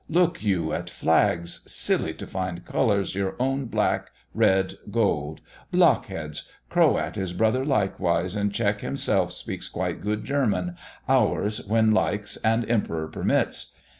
Look you at flags, Silly, to find colours your own black, red, gold? Blockheads! Croat is brother likewise; and Czech himself speaks quite good German, ours, when likes, and Emperor permits.